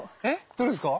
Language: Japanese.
どれですか？